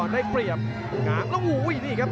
แล้วโห้นี่ครับ